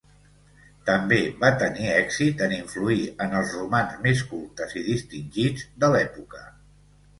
També va tenir èxit en influir en els romans més cultes i distingits de l'època.